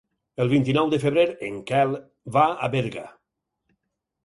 El vint-i-nou de febrer en Quel va a Berga.